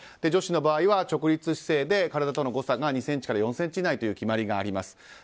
女子の場合は直立姿勢で体との誤差が２ｃｍから４ｃｍ以内という決まりがあります。